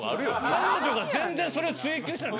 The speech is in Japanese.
彼女が全然それを追及してない。